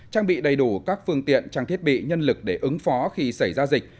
trang bị đầy đủ các phương tiện trang thiết bị nhân lực để ứng phó khi xảy ra dịch